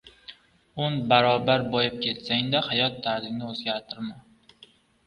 Oʻn barobar boyib ketsang-da, hayot tarzingni oʻzgartirma.